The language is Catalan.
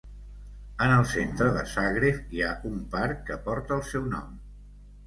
En el centre de Zagreb hi ha un parc que porta el seu nom.